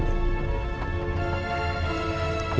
iya benar juga sih